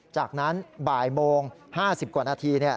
จากนั้นบ่ายโมง๕๐กว่านาที